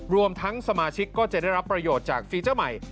รวมทั้งสมาชิกก็จะได้รับประโยชน์จากฟีเจอร์ใหม่